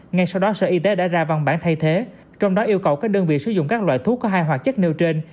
ngay sau đó sở y tế đã ra văn bản thay thế trong đó yêu cầu các đơn vị sử dụng các loại thuốc có hai hoạt chất nêu trên